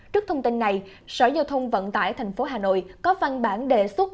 trước thông tin này sở giao thông vận tải thành phố hà nội có văn bản đề xuất